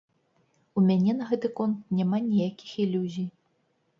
У мяне на гэты конт няма ніякіх ілюзій.